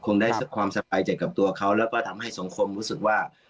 ได้ความสบายใจกับตัวเขาแล้วก็ทำให้สังคมรู้สึกว่า